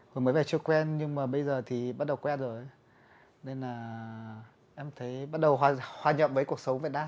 hồi mới về chưa quen nhưng mà bây giờ thì bắt đầu quen rồi nên là em thấy bắt đầu hòa nhập với cuộc sống việt nam